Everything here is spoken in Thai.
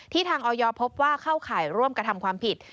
ทางออยพบว่าเข้าข่ายร่วมกระทำความผิด